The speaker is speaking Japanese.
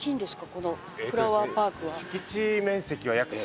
このフラワーパークは。